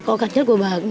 có cảm giác của bạn